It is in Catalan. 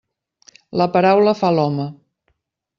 La paraula fa l'home.